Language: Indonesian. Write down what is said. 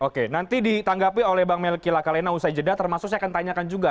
oke nanti ditanggapi oleh bang melki lakalena usai jeda termasuk saya akan tanyakan juga